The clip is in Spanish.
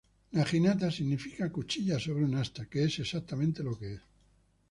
Naginata significa "cuchilla sobre un asta", que es exactamente lo que es.